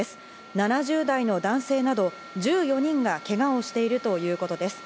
７０代の男性など１４人がけがをしているということです。